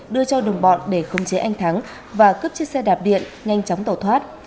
đưa cho đồng bọn để không chế anh thắng và cướp chiếc xe đạp điện nhanh chóng tổ thoát